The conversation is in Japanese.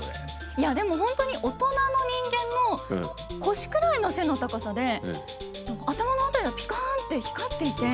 いやでも本当に大人の人間の腰くらいの背の高さで頭の辺りがピカンって光っていて。